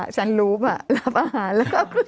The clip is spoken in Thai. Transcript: ฉันรู้ป่ะรับอาหารแล้วก็